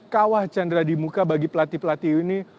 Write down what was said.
kawah chandra di muka bagi pelatih pelatih ini